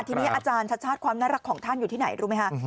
ทีนี้อาจารย์ชัดชาติความน่ารักของท่านอยู่ที่ไหนรู้ไหมคะ